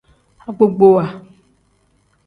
Agbogbowa.